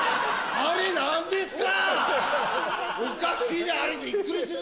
あれ何ですか？